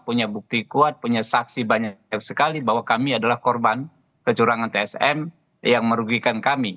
punya bukti kuat punya saksi banyak sekali bahwa kami adalah korban kecurangan tsm yang merugikan kami